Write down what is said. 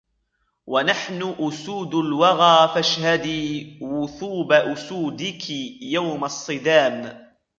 وَنَحْنُ أُسُودُ الْوَغَى فَاشْهَدِي وُثُوبَ أُسُودِكِ يَوْمَ الصِّدَامْ